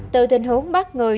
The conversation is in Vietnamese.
từ tình huống bắt người